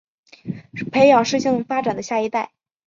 培养适性发展的下一代